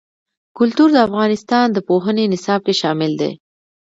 کلتور د افغانستان د پوهنې نصاب کې شامل دي.